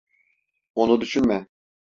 Onu düşünme.